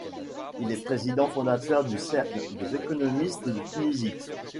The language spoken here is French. Il est président fondateur du Cercle des économistes de Tunisie.